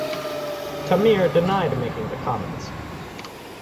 Tamir denied making the comments.